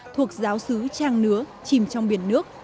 thuộc giáo sứ trang nứa chìm trong biển nước